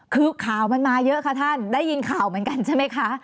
คือข่าวมันมาเยอะค่ะท่านได้ยินข่าวเหมือนกันใช่ไหมคะ